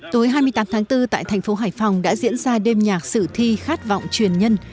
tối hai mươi tám tháng bốn tại thành phố hải phòng đã diễn ra đêm nhạc sử thi khát vọng truyền nhân